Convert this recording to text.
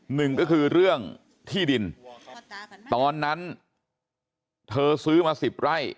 หนึ่งก็คือเรื่องที่ดินตอนนั้นเธอซื้อมาสิบไร่